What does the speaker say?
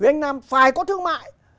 việt nam phải có thương mại